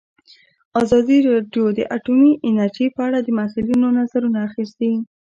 ازادي راډیو د اټومي انرژي په اړه د مسؤلینو نظرونه اخیستي.